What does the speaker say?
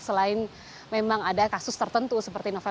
selain memang ada kasus tertentu seperti novel